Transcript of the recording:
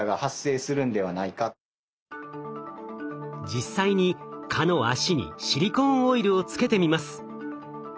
実際に蚊の脚にシリコーンオイルをつけてみます。